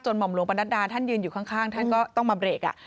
หม่อมหลวงประนัดดาท่านยืนอยู่ข้างท่านก็ต้องมาเบรก